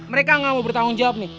mereka nggak mau bertanggung jawab nih